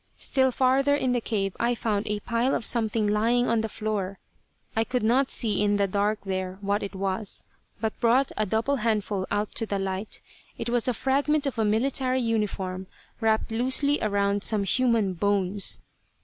Still farther in the cave I found a pile of something lying on the floor. I could not see in the dark there what it was, but brought a double handful out to the light. It was a fragment of a military uniform wrapped loosely around some human bones.